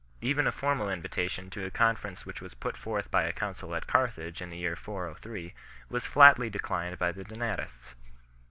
Even a formal invitation to a conference which was put forth by a council at Carthage in the year 403 5 was flatly de clined by the Donatists.